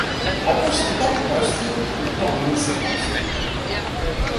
Opusťte, prosím, tuto místnost.